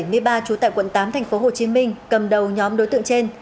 năm một nghìn chín trăm bảy mươi ba chú tại quận tám tp hcm cầm đầu nhóm đối tượng trên